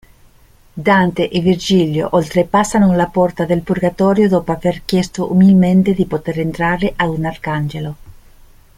Dante e Virgilio oltrepassano la porta del Purgatorio dopo aver chiesto umilmente di poter entrare ad un arcangelo.